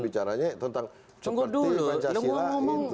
tapi bicaranya tentang seperti pancasila itu